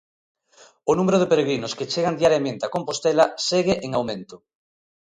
O número de peregrinos que chegan diariamente a Compostela segue en aumento.